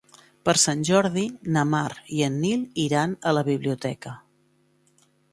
Per Sant Jordi na Mar i en Nil iran a la biblioteca.